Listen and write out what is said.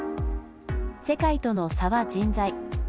世界との差は人材。